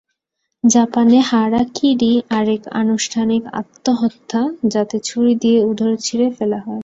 জাপানে হারাকিরি আরেক আনুষ্ঠানিক আত্মহত্যা যাতে ছুরি দিয়ে উদর চিরে ফেলা হয়।